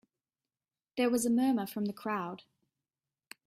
There was a murmur from the crowd.